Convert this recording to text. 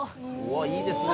いいですね。